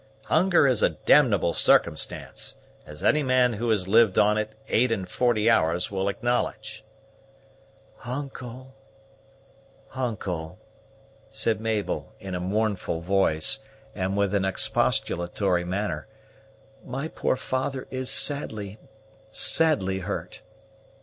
Hunger is a d ble circumstance, as any man who has lived on it eight and forty hours will acknowledge." "Uncle," said Mabel in a mournful voice and with an expostulatory manner, "my poor father is sadly, sadly hurt!"